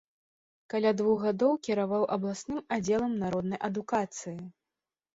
Каля двух гадоў кіраваў абласным аддзелам народнай адукацыі.